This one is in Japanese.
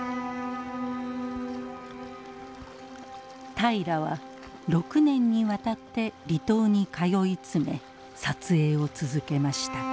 平良は６年にわたって離島に通い詰め撮影を続けました。